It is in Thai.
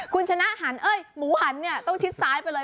คุณชนะหันเอ้ยหมูหันเนี่ยต้องชิดซ้ายไปเลย